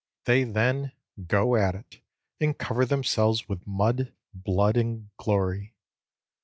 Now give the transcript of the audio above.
They then "go at it," and cover themselves with mud, blood, and glory.